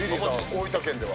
大分県では？